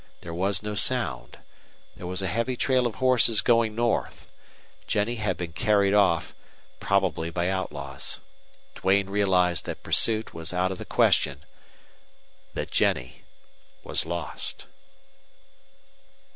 There was no sound. There was a heavy trail of horses going north. Jennie had been carried off probably by outlaws. Duane realized that pursuit was out of the question that Jennie was lost.